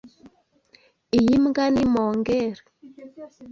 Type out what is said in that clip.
Iyi mbwa ni mongel.